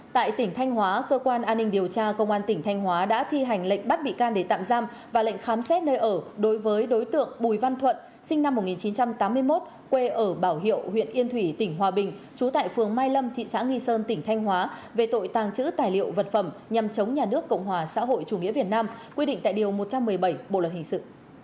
tại tỉnh thanh hóa cơ quan an ninh điều tra công an tỉnh thanh hóa đã thi hành lệnh bắt bị can để tạm giam và lệnh khám xét nơi ở đối với đối tượng bùi văn thuận sinh năm một nghìn chín trăm tám mươi một quê ở bảo hiệu huyện yên thủy tỉnh hòa bình trú tại phường mai lâm thị xã nghi sơn tỉnh thanh hóa về tội tàng trữ tài liệu vật phẩm nhằm chống nhà nước cộng hòa xã hội chủ nghĩa việt nam quy định tại điều một trăm một mươi bảy bộ lực hình sự